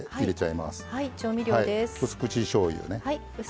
うす口しょうゆね。